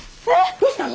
どうしたの？